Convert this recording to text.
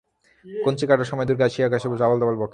কঞ্চি কাটার সময় দুর্গা আসিয়া কাছে বসে, আবোল-তাবোল বকে।